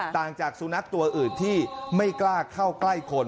ต่างจากสุนัขตัวอื่นที่ไม่กล้าเข้าใกล้คน